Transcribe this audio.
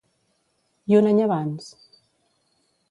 I un any abans?